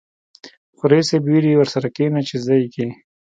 خو ريس صيب ويلې ورسره کېنه چې زده يې کې.